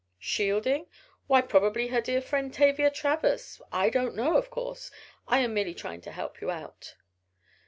"Shielding? Why, probably her dear friend, Tavia Travers. I don't know, of course. I am merely trying to help you out!"